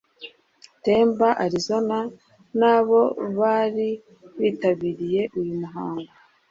Tempe Arizona nabo bari bitabiriye uyu muhango